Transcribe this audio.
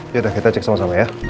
yaudah kita cek sama sama ya